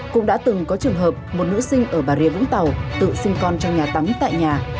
cũng đã từng có trường hợp một nữ sinh ở bà rịa vũng tàu tự sinh con trong nhà tắm tại nhà